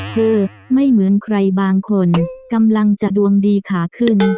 เธอไม่เหมือนใครบางคนกำลังจะดวงดีขาขึ้น